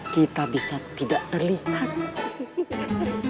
kita bisa tidak terlihat